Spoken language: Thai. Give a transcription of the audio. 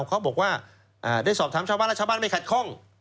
เขาบอกว่าได้สอบถามชาวบ้านแล้วชาวบ้านไม่ขัดข้อง